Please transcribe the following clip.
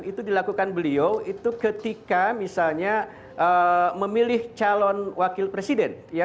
itu dilakukan beliau itu ketika misalnya memilih calon wakil presiden